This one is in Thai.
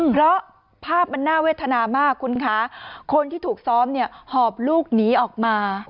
เพราะภาพมันน่าเวทนามากคุณคะคนที่ถูกซ้อมเนี่ยหอบลูกหนีออกมา